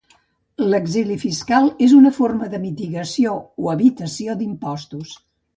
L'exili fiscal és una forma de mitigació o evitació d'impostos.